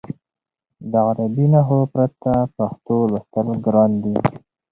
د عربي نښو پرته پښتو لوستل ګران دي.